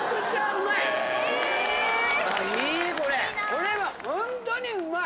これはほんとにうまい！